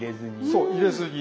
そう入れずに。